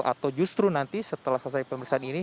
atau justru nanti setelah selesai pemeriksaan ini